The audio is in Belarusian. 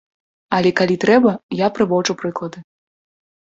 Але калі трэба, я прыводжу прыклады.